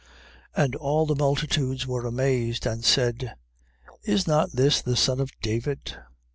12:23. And all the multitudes were amazed, and said: Is not this the son of David?